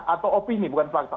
atau opini bukan fakta